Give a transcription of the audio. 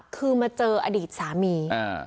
คือมาเจออดีตสามี